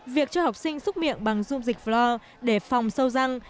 việc cho học sinh xúc miệng bằng dung dịch floor để phòng sâu răng